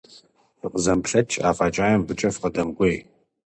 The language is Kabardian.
ФыкъызэмыплъэкӀ, афӀэкӀаи мыбыкӀэ фыкъыдэмыкӀуей.